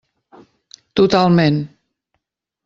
Totalment.